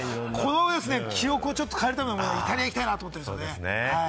この記憶を塗り替えるためにイタリアに行きたいなと思っています。